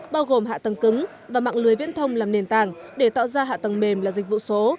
bao gồm hạ tầng cứng và mạng lưới viễn thông làm nền tảng để tạo ra hạ tầng mềm là dịch vụ số